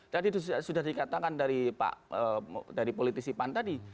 tadi sudah dikatakan dari pak dari politisi pan tadi